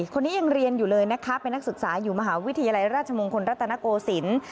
คนนี้ยังเรียนอยู่เลยนะคะเป็นนักศึกษาอยู่มหาวิทยาลัยราชมงคลรัตนโกศิลป์